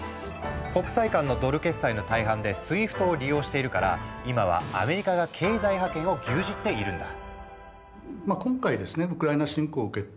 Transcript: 国際間のドル決済の大半で「ＳＷＩＦＴ」を利用しているから今はアメリカが経済覇権を牛耳っているんだ。